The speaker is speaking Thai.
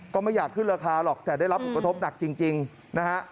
ก็ไม่อยากขึ้นราคาหรอกแต่ได้รับผลกระทบหนักจริงนะฮะ